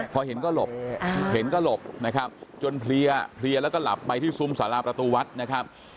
พอเห็นก็หลบเห็นก็หลบนะครับจนเพลียแล้วก็หลับไปที่ซุ้มสาราประตูวัดนะครับ